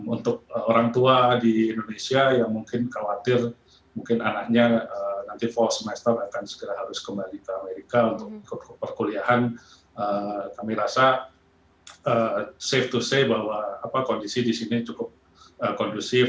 untuk orang tua di indonesia yang mungkin khawatir mungkin anaknya nanti fall semester akan segera harus kembali ke amerika untuk perkuliahan kami rasa safe to say bahwa kondisi di sini cukup kondusif